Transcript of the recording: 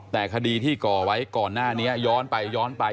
แต่คดีที่ก่อไว้ก่อนหน้านี้ย้อนไปย้อนไป